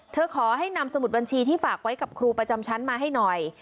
ขอให้นำสมุดบัญชีที่ฝากไว้กับครูประจำชั้นมาให้หน่อย